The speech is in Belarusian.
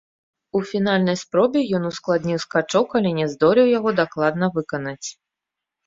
У фінальнай спробе ён ускладніў скачок, але не здолеў яго дакладна выканаць.